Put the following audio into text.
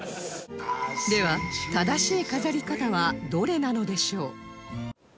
では正しい飾り方はどれなのでしょう？